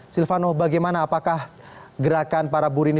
silvano bagaimana apakah gerakan para buruh ini